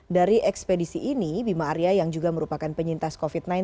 dari ekspedisi ini bima arya yang juga merupakan penyintas covid sembilan belas